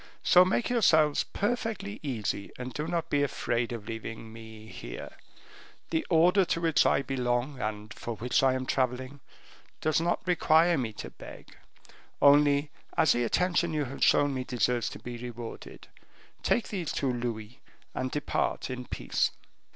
So make yourselves perfectly easy, and do not be afraid of leaving me here. The order to which I belong, and for which I am traveling, does not require me to beg; only, as the attention you have shown me deserves to be rewarded, take these two louis and depart in peace."